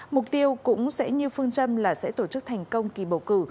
mục tiêu cũng sẽ như phương châm là sẽ tổ chức thành công kỳ bầu cử